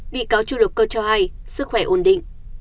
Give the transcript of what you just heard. bị cáo tru lập cơ cho hay sức khỏe ổn định